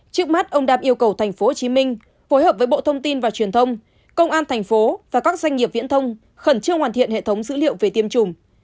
trước mắt ông đạt yêu cầu tp hcm phối hợp với bộ thông tin và truyền thông công an thành phố và các doanh nghiệp viễn thông khẩn trương hoàn thiện hệ thống dữ liệu về tiêm chủng